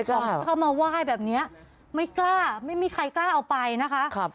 ของที่เขามาไหว้แบบนี้ไม่กล้าไม่มีใครกล้าเอาไปนะคะ